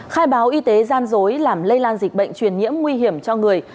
khai báo y tế gian dối làm lây lan dịch bệnh truyền nhiễm nguy hiểm cho người